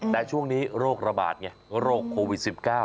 แต่ช่วงนี้โรคระบาดไงโรคโควิด๑๙